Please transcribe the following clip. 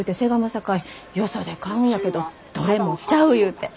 さかいよそで買うんやけどどれもちゃう言うて。